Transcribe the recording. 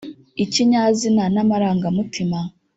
ikinyazina n’amarangamutima